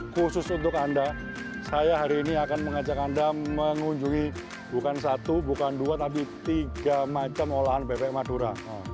khusus untuk anda saya hari ini akan mengajak anda mengunjungi bukan satu bukan dua tapi tiga macam olahan bebek madura